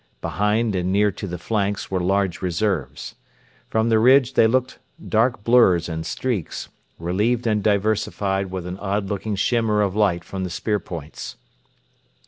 Behind and near to the flanks were large reserves. From the ridge they looked dark blurs and streaks, relieved and diversified with an odd looking shimmer of light from the spear points.